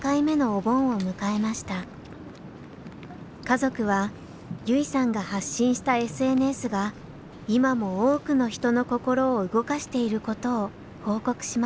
家族は優生さんが発信したＳＮＳが今も多くの人の心を動かしていることを報告しました。